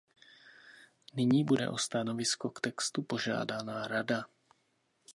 Nyní bude o stanovisko k textu požádaná Rada.